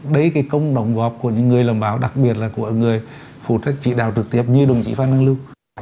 đấy cái công đồng góp của những người làm báo đặc biệt là của người phụ trách chỉ đạo trực tiếp như đồng chí phan đăng lưu